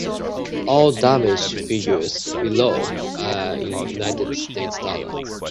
All damage figures below are in United States dollars.